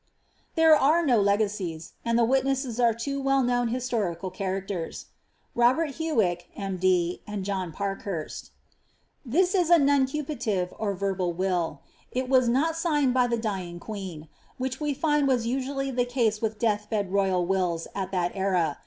There are no legacies ; and tlie witnesses are two well known historical characters, Robert Huyck, M.D., and John Parkhurst. This is a mmeupative or verbal will ; it was not signed by the dying qoeen ; which we find was usually the case with death bed royal wills ■t that era.